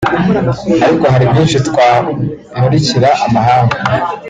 ariko hari byinshi twamurikira amahanga